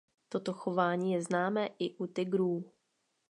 Toto chování je známé i u tygrů.